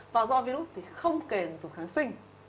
và do virus thì không kề dùng kháng sinh